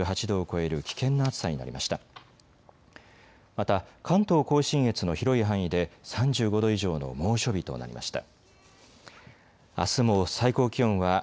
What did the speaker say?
また関東甲信越の広い範囲で３５度以上の猛暑日となりました。